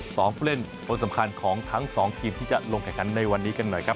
ผู้เล่นคนสำคัญของทั้งสองทีมที่จะลงแข่งขันในวันนี้กันหน่อยครับ